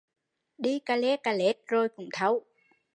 Đi cà lê cà lết rồi cũng thấu